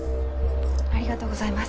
ありがとうございます。